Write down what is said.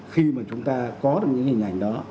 khi mà chúng ta có được những hình ảnh đó